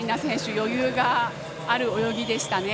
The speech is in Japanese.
余裕がある泳ぎでしたね。